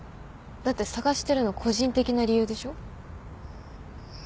だって捜してるの個人的な理由でしょ？